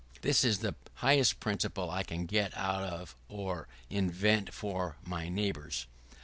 This is the highest principle I can get out or invent for my neighbors.